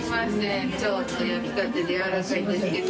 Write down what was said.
ちょうど焼きたてでやわらかいんですけど。